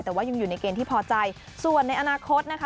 แต่ว่ายังอยู่ในเกณฑ์ที่พอใจส่วนในอนาคตนะคะ